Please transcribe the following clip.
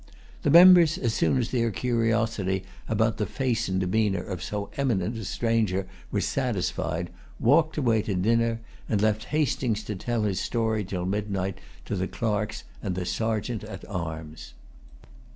The members, as soon as their curiosity about the face and demeanor of so eminent a stranger was satisfied, walked away to dinner, and left Hastings to tell his story till midnight to the clerks and the Sergeant at arms.